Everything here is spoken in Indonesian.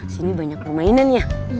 sini banyak permainan ya